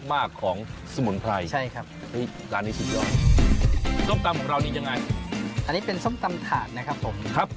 มันกลิ่มสมุนไพรค่อนข้างเยอะเลยครับนะครับครบครับ